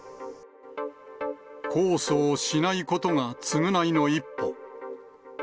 控訴をしないことが償いの一歩。